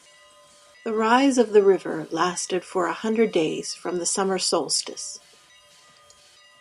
The rise of the river lasted for a hundred days from the summer solstice.